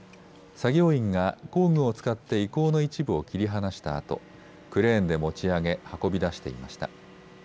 作業員が工具を使って遺構の一部を切り離したあとクレーンで持ち上げ運び出していました。